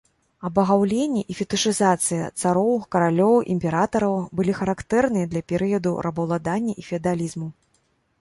Абагаўленне і фетышызацыя цароў, каралёў, імператараў былі характэрныя для перыядаў рабаўладання і феадалізму.